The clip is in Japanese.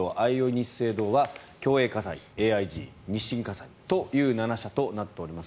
ニッセイ同和共栄火災、ＡＩＧ、日新火災という７社となっております。